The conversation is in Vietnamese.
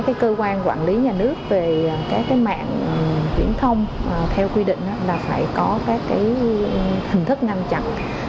các cơ quan quản lý nhà nước về các cái mạng truyền thông theo quy định là phải có các cái hình thức ngăn chặn